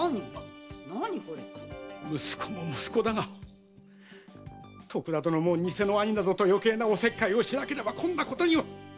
息子も息子だが徳田殿も偽の兄などとよけいなお節介をしなければこんなことには！